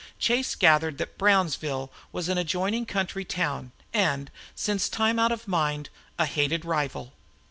Chase gathered that Brownsville was an adjoining country town, and, since time out of mind, a hated rival.